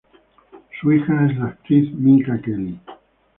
Su hija es la actriz Minka Kelly.